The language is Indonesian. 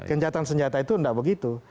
gencatan senjata itu enggak begitu